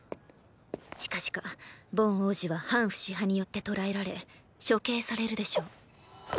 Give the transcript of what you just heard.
近々ボン王子は反フシ派によって捕らえられ処刑されるでしょう。っ！